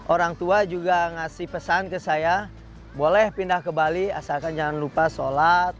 orang tua juga ngasih pesan ke saya boleh pindah ke bali asalkan jangan lupa sholat